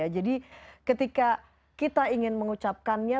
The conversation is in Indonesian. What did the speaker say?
jadi ketika kita ingin mengucapkannya